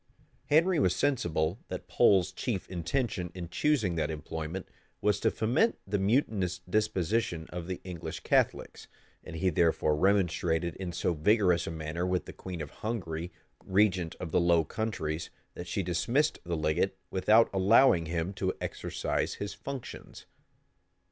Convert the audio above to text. Henry was sensible that Pole's chief intention in choosing that employment, was to foment the mutinous disposition of the English Catholics; and he therefore remonstrated in so vigorous a manner with the queen of Hungary, regent of the Low Countries, that she dismissed the legate, without allowing him to exercise his functions.